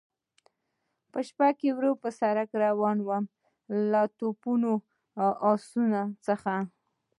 په شپه کې ورو پر سړک روان و، له توپونو، اسونو څخه.